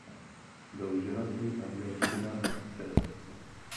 Byl ženatý a měl syna a dceru.